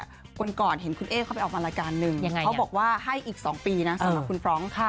คนก่อนเห็นคุณเอ๊เขาไปออกมารายการหนึ่งเขาบอกว่าให้อีก๒ปีนะสำหรับคุณฟรองก์ค่ะ